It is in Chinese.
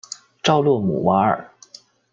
绍洛姆瓦尔。